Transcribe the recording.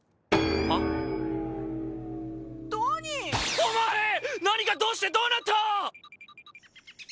ドニーお前何がどうしてどうなった！？